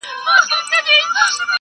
شا و خوا د تورو کاڼو کار و بار دی-